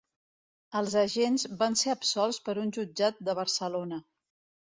Els agents van ser absolts per un jutjat de Barcelona.